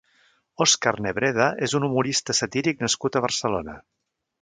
Òscar Nebreda és un humorista satíric nascut a Barcelona.